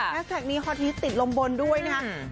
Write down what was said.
แฮชแท็กนี้ฮอทธิสติดลงบนด้วยนะครับ